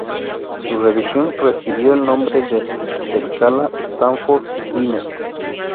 Su revisión recibió el nombre de escala Stanford-Binet.